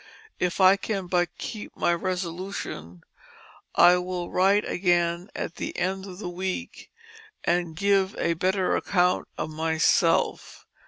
If I can but keep my resolution, I will write again at the end of the week and give a better account of myself.